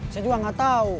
saya juga nggak tahu